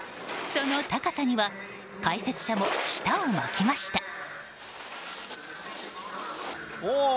その高さには解説者も舌を巻きました。